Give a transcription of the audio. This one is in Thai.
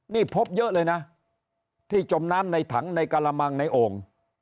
นี่พบเยอะเลยนะที่จมน้ำในถังในกระมังในโอ่ง